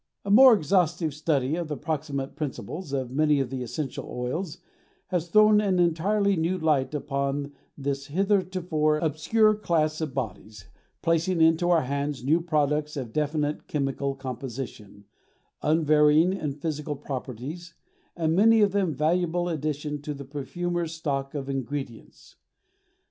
A more exhaustive study of the proximate principles of many of the essential oils has thrown an entirely new light upon this heretofore obscure class of bodies, placing into our hands new products of definite chemical composition, unvarying in physical properties, and many of them valuable additions to the perfumer's stock of ingredients.